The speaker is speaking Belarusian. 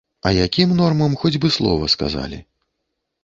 А якім нормам, хоць бы слова сказалі.